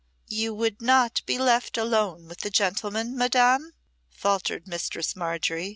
"You would not be left alone with the gentleman, Madam?" faltered Mistress Margery.